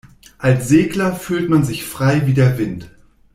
Als Segler fühlt man sich frei wie der Wind.